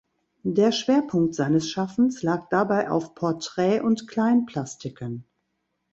Der Schwerpunkt seines Schaffens lag dabei auf Porträt- und Kleinplastiken.